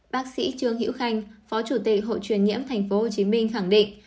bác sĩ trương hữu khanh phó chủ tịch hội truyền nhiễm tp hcm khẳng định